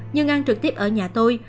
nhưng ăn trực tiếp ở nhà tôi